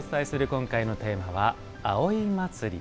今回のテーマは「葵祭」。